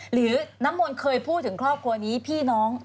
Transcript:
หรือน้ำมนต์เคยพูดถึงครอบครัวนี้พี่น้อง